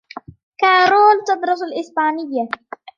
كارول تدرس الأسبانية.